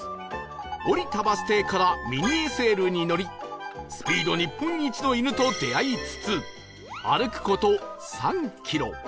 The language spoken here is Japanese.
降りたバス停からミニ ＳＬ に乗りスピード日本一の犬と出会いつつ歩く事３キロ